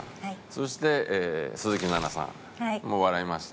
そして鈴木奈々さんも笑いました。